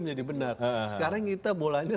menjadi benar sekarang kita bolanya